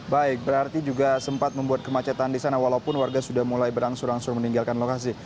baik berarti juga sempat membuat kemacetan di sana walaupun warga sudah mulai berangsur angsur meninggalkan lokasi